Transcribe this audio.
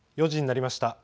４時になりました。